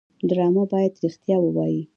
ډرامه باید رښتیا ووايي